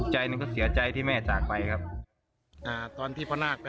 ในจังก็เสียใจที่แม่จากไปครับ